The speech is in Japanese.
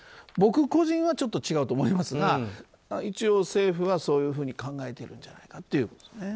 僕個人はちょっと違うと思いますが一応政府はそういうふうに考えているんじゃないかと。